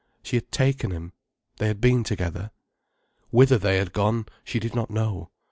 She had taken him, they had been together. Whither they had gone, she did not know.